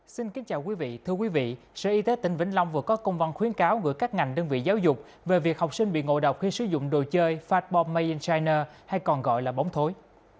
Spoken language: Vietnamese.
xin kính chào quý vị thưa quý vị sở y tế tỉnh vĩnh long vừa có công văn khuyến cáo gửi các ngành đơn vị giáo dục về việc học sinh bị ngộ độc khi sử dụng đồ chơi phát bom may in china hay còn gọi là bóng thối